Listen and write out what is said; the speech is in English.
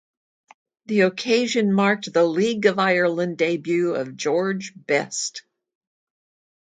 The occasion marked the League of Ireland debut of George Best.